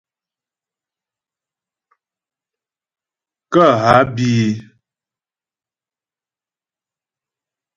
Kə́ há bí í.